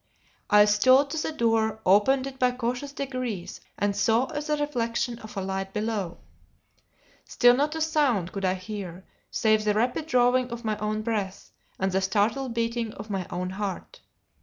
I stole to the door, opened it by cautious degrees, and saw the reflection of a light below. Still not a sound could I hear, save the rapid drawing of my own breath, and the startled beating of my own heart.